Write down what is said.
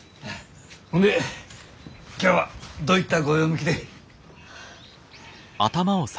ほんで今日はどういったご用向きで？